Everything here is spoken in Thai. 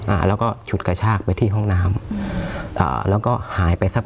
อ่าแล้วก็ฉุดกระชากไปที่ห้องน้ำอ่าแล้วก็หายไปสัก